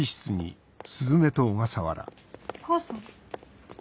お母さん。